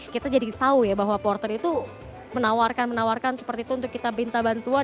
kita jadi tahu ya bahwa porter itu menawarkan menawarkan seperti itu untuk kita minta bantuan